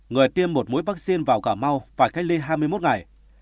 người tiêm một mũi vaccine vào cà mau và cách ly hai mươi một ngày